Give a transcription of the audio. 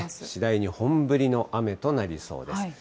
次第に本降りの雨となりそうです。